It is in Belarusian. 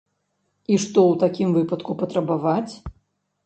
І што ў такім выпадку патрабаваць?